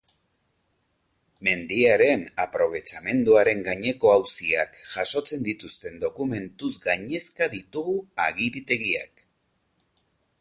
Mendiaren aprobetxamenduaren gaineko auziak jasotzen dituzten dokumentuz gainezka ditugu agiritegiak.